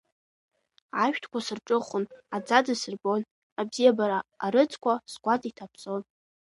Ашәҭқәа сырҿыхон, аӡаӡа сырбон, абзиабара арыцқәа сгәаҵа иҭаԥсон.